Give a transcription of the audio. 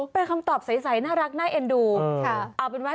พร้อมเพราะครูเด่นก็ได้